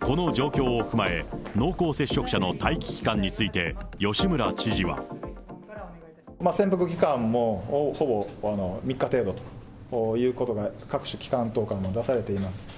この状況を踏まえ、濃厚接触者の待機期間について、吉村知事は。潜伏期間もほぼ３日程度ということが各種機関等からも出されています。